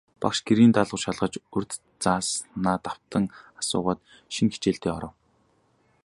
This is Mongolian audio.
Багш гэрийн даалгавар шалгаж, урьд зааснаа давтан асуугаад, шинэ хичээлдээ оров.